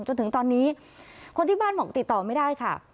จนถึงตอนนี้คนที่บ้านบอกติดต่อไม่ได้ค่ะ